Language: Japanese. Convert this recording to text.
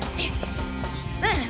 うん。